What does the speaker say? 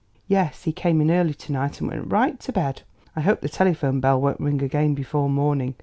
"Yes; he came in early to night and went right to bed. I hope the telephone bell won't ring again before morning."